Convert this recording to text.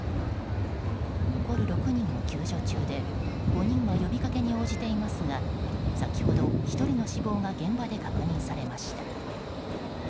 残る６人も救助中で５人は呼びかけに応じていますが先ほど１人の死亡が現場で確認されました。